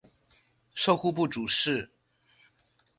授户部主事。